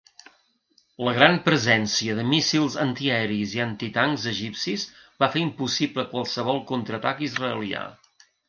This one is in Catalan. La gran presència de míssils antiaeris i antitancs egipcis va fer impossible qualsevol contraatac israelià.